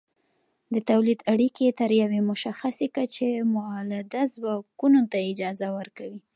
د تولید اړیکې تر یوې مشخصې کچې مؤلده ځواکونو ته اجازه ورکوي.